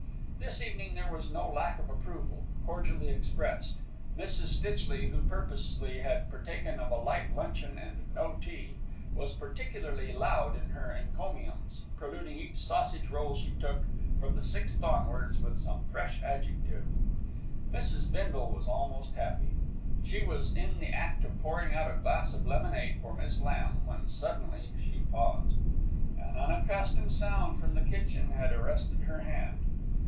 This evening there was no lack of approval, cordially expressed. Mrs. Stitchley, who purposely had partaken of a light luncheon and no tea, was particularly loud in her encomiums, preluding each sausage roll she took, from the sixth onwards, with some fresh adjective. Mrs. Bindle was almost happy. She was in the act of pouring out a glass of lemonade for Miss Lamb, when suddenly she paused. An unaccustomed sound from the kitchen had arrested her hand.